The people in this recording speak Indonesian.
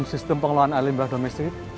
dalam sistem pengelolaan air limba domestik